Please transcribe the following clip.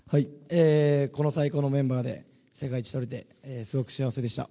この最高のメンバーで世界一とれてすごく幸せでした。